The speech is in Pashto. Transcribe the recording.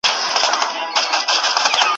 تش به نوم د جهاني وي نور به ختمه افسانه وي